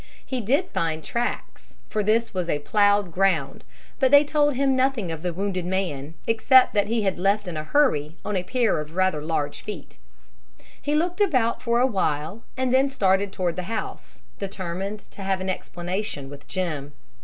He did find tracks, for this was plowed ground; but they told him nothing of the wounded man except that he had left in a hurry on a pair of rather large feet. He looked about for a while, and then started toward the house, determined to have an explanation with Jim.